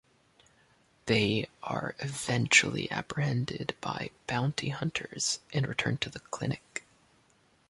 They are eventually apprehended by bounty hunters and returned to the Clinic.